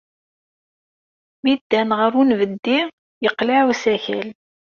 Mi ddan ɣer unbeddi, yeqleɛ usakal.